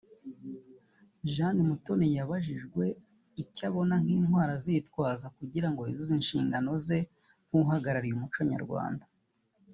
Jane Mutoni yabajijwe icyo abona nk’intwaro azitwaza kugirango yuzuze inshingano ze nk’uhagarariye umuco nyarwanda